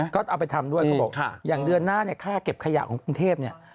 ค่ะอย่างเดือนหน้าเนี่ยภาคเก็บขยาของกรุงเทพเนี่ย